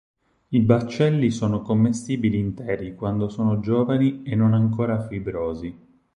I baccelli sono commestibili interi quando sono giovani e non ancora fibrosi.